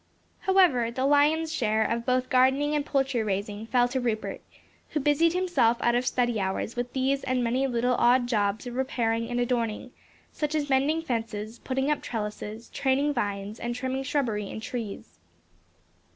However, the lion's share of both gardening and poultry raising fell to Rupert; who busied himself out of study hours, with these and many little odd jobs of repairing and adorning such as mending fences, putting up trellises, training vines and trimming shrubbery and trees.